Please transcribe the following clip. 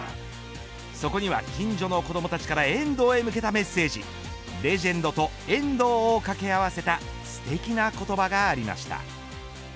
そこには近所の子どもたちから遠藤へ向けたメッセージレジェンドとエンドウを掛け合わせたすてきな言葉がありました。